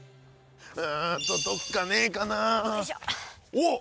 おっ！